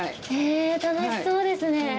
ええ楽しそうですね。